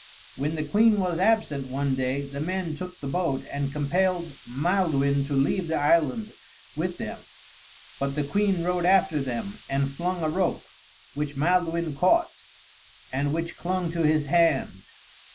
When the queen was absent, one day, the men took the boat and compelled Maelduin to leave the island with them; but the queen rode after them and flung a rope, which Maelduin caught and which clung to his hand.